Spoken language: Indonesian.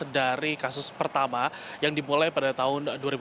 dari kasus pertama yang dimulai pada tahun dua ribu tujuh belas